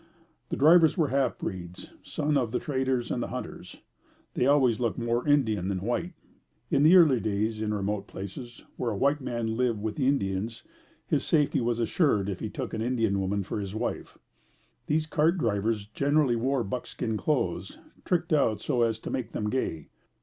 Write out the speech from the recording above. The drivers were half breeds, sons of the traders and hunters. They always looked more Indian than white. In the early days, in remote places, where a white man lived with the Indians, his safety was assured if he took an Indian woman for his wife. These cart drivers generally wore buckskin clothes, tricked out so as to make them gay.